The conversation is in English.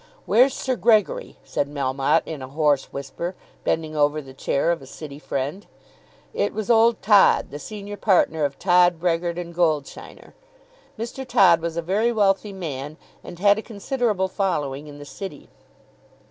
"Where's Sir Gregory?" said Melmotte, in a hoarse whisper, bending over the chair of a City friend. It was old Todd, the senior partner of Todd, Brehgert, and Goldsheiner. Mr. Todd was a very wealthy man, and had a considerable following in the City.